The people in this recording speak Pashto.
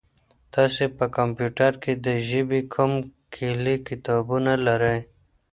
تاسي په کمپیوټر کي د ژبې کوم کلي کتابونه لرئ؟